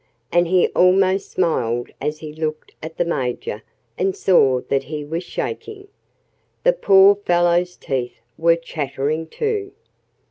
And he almost smiled as he looked at the Major and saw that he was shaking. The poor fellow's teeth were chattering, too.